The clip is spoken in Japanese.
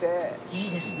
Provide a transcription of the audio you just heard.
いいですね。